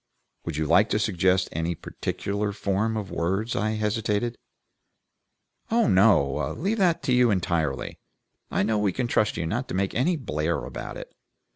"Would you like to suggest any particular form of words?" I hesitated. "Oh no! Leave that to you entirely. I know we can trust you not to make any blare about it.